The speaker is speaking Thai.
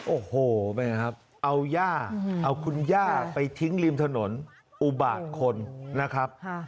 โอ้โหแม่ครับเอาย่าเอาคุณย่าไปทิ้งริมถนนอุบาตคนนะครับ